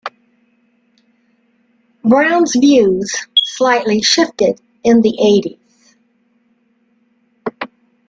Brown's views slightly shifted in the eighties.